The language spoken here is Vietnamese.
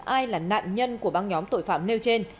ai là nạn nhân của băng nhóm tội phạm nêu trên